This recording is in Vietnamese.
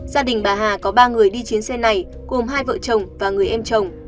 gia đình bà hà có ba người đi chiến xe này gồm hai vợ chồng và người em chồng